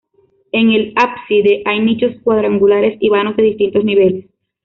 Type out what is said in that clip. En el ábside hay nichos cuadrangulares y vanos de distintos niveles.